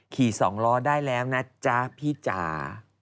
ขี่๒ล้อได้แล้วนะจ๊ะพี่จ๋า